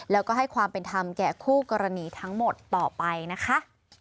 แล้วก็ให้ความเป็นธรรมแก่คู่กรณีทั้งหมดต่อไปนะคะ